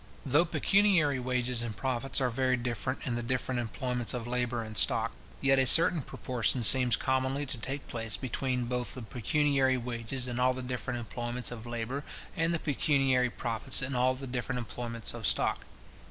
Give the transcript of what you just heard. Though pecuniary wages and profit are very different in the different employments of labour and stock; yet a certain proportion seems commonly to take place between both the pecuniary wages in all the different employments of labour, and the pecuniary profits in all the different employments of stock.